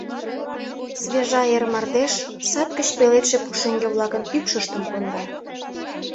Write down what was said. Свежа эр мардеж сад гыч пеледше пушеҥге-влакын ӱпшыштым конда.